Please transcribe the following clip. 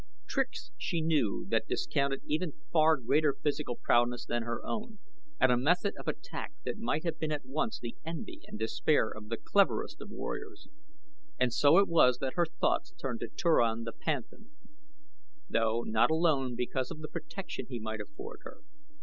Tricks she knew that discounted even far greater physical prowess than her own, and a method of attack that might have been at once the envy and despair of the cleverest of warriors. And so it was that her thoughts turned to Turan the panthan, though not alone because of the protection he might afford her.